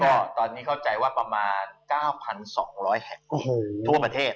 ก็ตอนนี้เข้าใจว่าประมาณ๙๒๐๐แห่งทั่วประเทศ